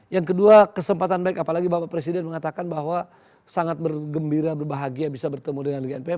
yang kedua kesempatan baik apalagi bapak presiden mengatakan bahwa sangat bergembira berbahagia bisa bertemu dengan gnpf